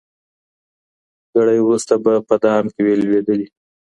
ګړی وروسته به په دام کی وې لوېدلي